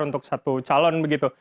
untuk satu calon begitu